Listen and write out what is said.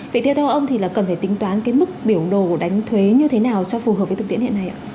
vậy theo ông thì là cần phải tính toán cái mức biểu đồ đánh thuế như thế nào cho phù hợp với thực tiễn hiện nay ạ